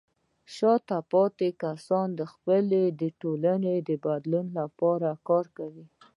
شاته پاتې کسان د خپلې ټولنې د بدلون لپاره کار کوي.